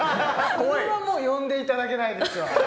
これはもう呼んでいただけないですわ。